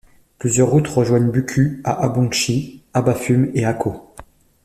Plusieurs routes rejoignent Buku à Abongshie, Abafum et Ako.